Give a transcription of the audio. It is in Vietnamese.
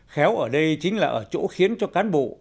khéo ở đây chính là ở chỗ khiến cho cán bộ